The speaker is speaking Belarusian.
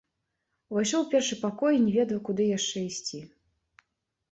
Увайшоў у першы пакой і не ведаў, куды яшчэ ісці.